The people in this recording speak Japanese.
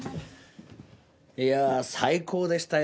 いやあ最高でしたよ